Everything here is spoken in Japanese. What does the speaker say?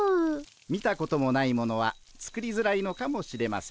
見たこともないものは作りづらいのかもしれません。